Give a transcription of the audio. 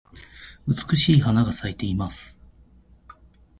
美しい花が咲いています。